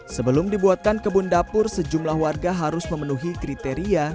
sebelum dibuatkan kebun dapur sejumlah warga harus memenuhi kriteria